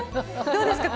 どうですか？